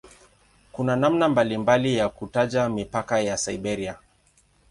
Kuna namna mbalimbali ya kutaja mipaka ya "Siberia".